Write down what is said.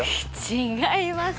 違います。